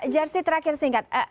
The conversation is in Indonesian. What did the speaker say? jersi terakhir singkat